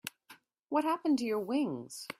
What happened to your wings?